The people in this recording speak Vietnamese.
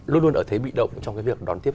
luôn luôn ở thế bị động trong cái việc đón tiếp